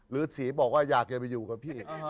ฤษีบอกว่าอยากจะไปอยู่กับพี่